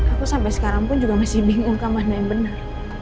aku sampai sekarang pun juga masih bingung kemana yang benar